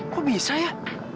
kok bisa ya